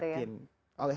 tidak yakin gitu ya